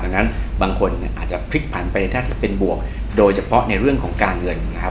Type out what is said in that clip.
ดังนั้นบางคนอาจจะพลิกผันไปในด้านที่เป็นบวกโดยเฉพาะในเรื่องของการเงินนะครับ